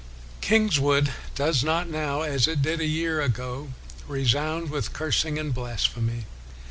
" Kingswood does not now, as it did a year ago, resound with cursing and blasphemy.